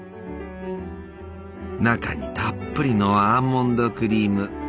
中にたっぷりのアーモンドクリーム。